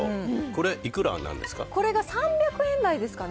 これ、いくらなんですか？